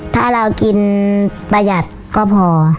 ถ้าเรากินประหยัดก็พอ